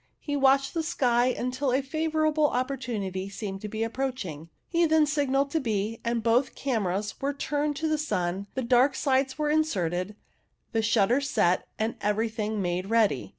He watched the sky until a favourable opportunity seemed to be approaching. He then signalled to B, and both cameras were turned to the sun, the dark slides were inserted, the shutters set, and everything made ready.